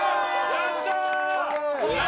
やったー！